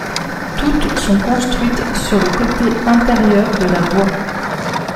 Toutes sont construites sur le côté intérieur de la voie.